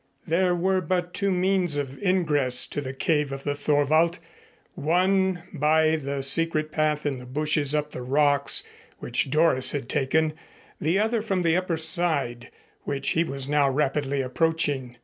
There were but two means of ingress to the cave of the Thorwald, one by the secret path in the bushes up the rocks which Doris had taken, the other from the upper side which he was now rapidly approaching.